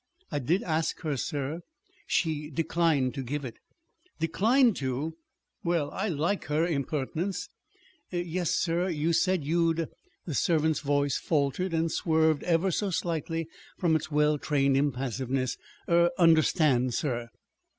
"I did ask her, sir. She declined to give it." "Declined to Well, I like her impertinence." "Yes, sir. She said you'd" the servant's voice faltered and swerved ever so slightly from its well trained impassiveness "er understand, sir."